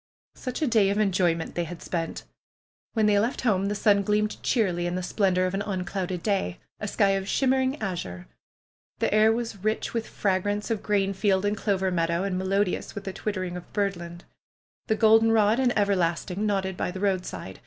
Such a day of enjoyment they had spent ! When they left home the sun gleamed cheerily in the slpendor of an unclouded sky; a sky of shimmering azure. The air was rich with fragrance of grain field and clover meadow, and melodious with the twittering of birdland. The goldenrod and everlasting nodded by the roadside.